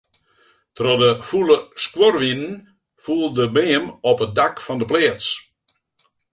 Troch de fûle skuorwinen foel de beam op it dak fan 'e pleats.